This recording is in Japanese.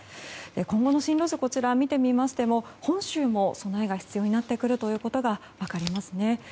今後の進路図、見てみましても本州も備えが必要になることが分かりますね。